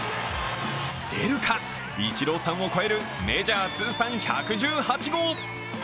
出るか、イチローさんを越えるメジャー通算１１８号。